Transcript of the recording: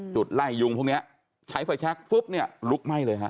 จุดไล่ยุงพวกนี้ใช้ไฟแชคปุ๊บเนี่ยลุกไหม้เลยฮะ